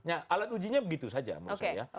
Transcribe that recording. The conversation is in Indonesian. nah alat ujinya begitu saja menurut saya